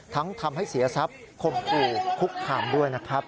ทำให้เสียทรัพย์คมคู่คุกคามด้วยนะครับ